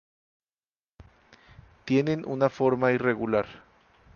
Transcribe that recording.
Tienen una forma irregular.